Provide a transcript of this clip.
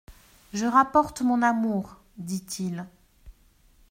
—Je rapporte mon amour,» dit-il.